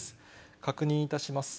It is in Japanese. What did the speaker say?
確認いたします。